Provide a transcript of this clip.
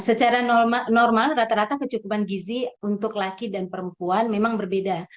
secara normal rata rata kecukupan gizi untuk laki dan perempuan memang berbeda